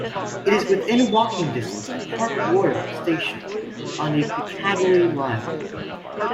It is within walking distance of Park Royal station on the Piccadilly line.